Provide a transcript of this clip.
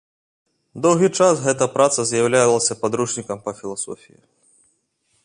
Доўгі час гэта праца з'яўлялася падручнікам па філасофіі.